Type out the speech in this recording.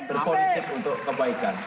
berpolitik untuk kebaikan